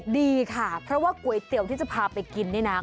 ดีค่ะเพราะว่าก๋วยเตี๋ยวที่จะพาไปกินนี่นะ